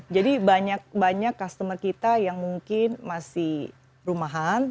jadi banyak banyak customer kita yang mungkin masih rumahan